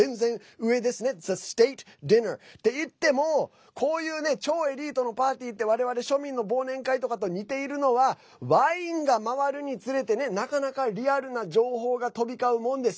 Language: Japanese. って言っても、こういうね超エリートのパーティーって我々、庶民の忘年会とかと似ているのはワインが回るにつれてねなかなかリアルな情報が飛び交うものです。